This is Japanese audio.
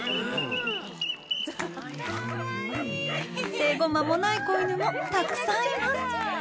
生後間もない子犬もたくさんいます。